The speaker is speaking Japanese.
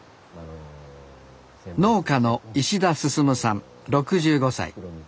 農家の石田進さん６５歳。